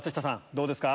どうですか？